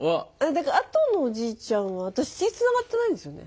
だから後のおじいちゃんは私血つながってないんですよね？